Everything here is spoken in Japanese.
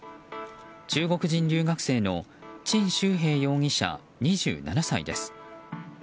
中国人留学生のチン・シュウヘイ容疑者２７歳です。